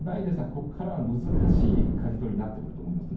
ここからは難しいかじ取りになってくると思います。